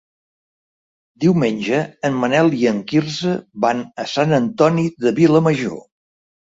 Diumenge en Manel i en Quirze van a Sant Antoni de Vilamajor.